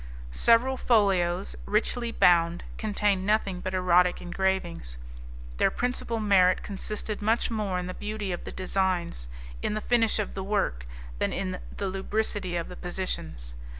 Several folios, richly bound, contained nothing but erotic engravings. Their principal merit consisted much more in the beauty of the designs, in the finish of the work, than in the lubricity of the positions.